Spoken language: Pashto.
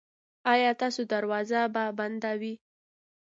ایا ستاسو دروازه به بنده وي؟